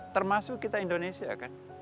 termasuk kita indonesia kan